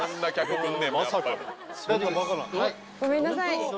ごめんなさい。